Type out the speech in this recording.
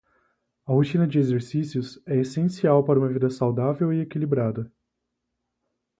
A rotina de exercícios é essencial para uma vida saudável e equilibrada.